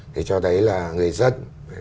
thì cho thấy là người dân